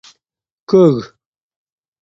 کوږ